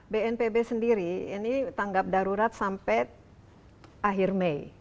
bnpb sendiri ini tanggap darurat sampai akhir mei